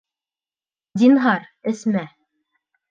Зинһар, әсмә.